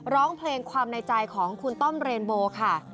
ร้องเพลงความในใจของคุณต้อมเรนโบค่ะ